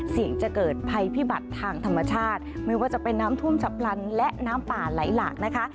เสี่ยงจะเกิดภัยพิบัติทางธรรมชาติไม่ว่าจะเป็นน้ำท่วมฉับพลันและน้ำป่าไหลหลากนะคะ